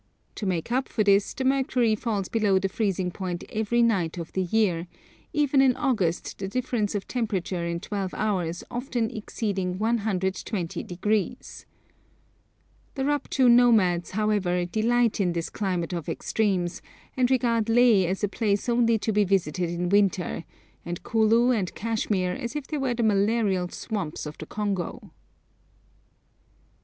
To make up for this, the mercury falls below the freezing point every night of the year, even in August the difference of temperature in twelve hours often exceeding 120°! The Rupchu nomads, however, delight in this climate of extremes, and regard Leh as a place only to be visited in winter, and Kulu and Kashmir as if they were the malarial swamps of the Congo!